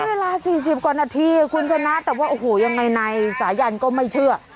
เวลา๔๐กว่านาทีคุณชนะแต่ว่าโอ้โหยังไงนายสายันก็ไม่เชื่อ